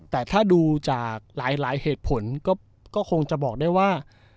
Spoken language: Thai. แต่ถ้าดูจากหลายเหตุผลก็คงจะบอกได้ว่า